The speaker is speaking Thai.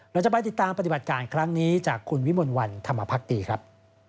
เราจะไปติดตามปฏิบัติการครั้งนี้จากคุณวิมลวันธรรมภักดีครับ